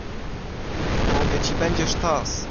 Mówię ci, będzie sztos!